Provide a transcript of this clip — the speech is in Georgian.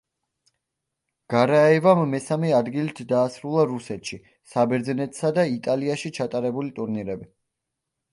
გარაევამ მესამე ადგილით დაასრულა რუსეთში, საბერძნეთსა და იტალიაში ჩატარებული ტურნირები.